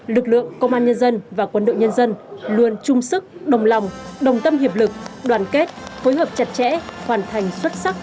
lực lượng công an nhân dân và quân đội nhân dân luôn chung sức đồng lòng đồng tâm hiệp lực đoàn kết phối hợp chặt chẽ hoàn thành xuất sắc